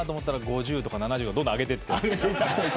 ５０とか７０とか上げていって。